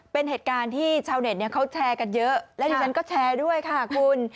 เป็นเหตุการณ์ที่ชาวเน็ตเขาแชร์กันเยอะและดิฉันก็แชร์ด้วยค่ะคุณ